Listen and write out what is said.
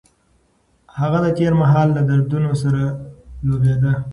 هغه د تېر مهال له دردونو سره لوبېده.